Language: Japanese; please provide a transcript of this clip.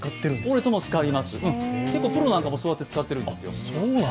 折れても使います、結構プロなんかもそうやって使っているんですよ。